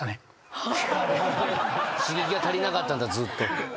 刺激が足りなかったんだずっと。